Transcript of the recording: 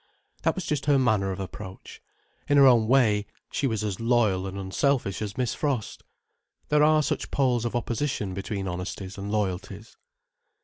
That was just her manner of approach. In her own way, she was as loyal and unselfish as Miss Frost. There are such poles of opposition between honesties and loyalties.